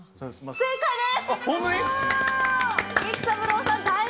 正解です。